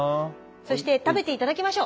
そして食べて頂きましょう。